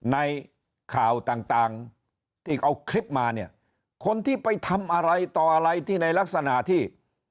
ในข่าวต่างที่เอาคลิปมาเนี่ยคนที่ไปทำอะไรต่ออะไรที่ในลักษณะที่